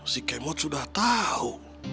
si kemot sudah tahu